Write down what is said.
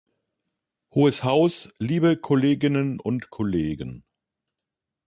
Hohes Haus, liebe Kolleginnen und Kollegen!